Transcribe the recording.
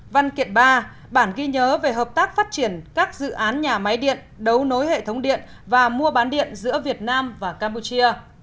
văn kiện ba bản ghi nhớ về hợp tác phát triển các dự án nhà máy điện đấu nối hệ thống điện và mua bán điện giữa việt nam và campuchia